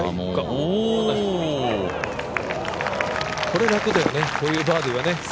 これ、楽だよね、こういうバーディーはね。